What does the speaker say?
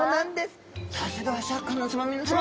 さあそれではシャーク香音さま皆さま。